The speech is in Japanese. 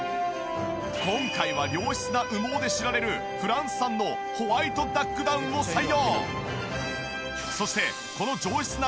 今回は良質な羽毛で知られるフランス産のホワイトダックダウンを採用。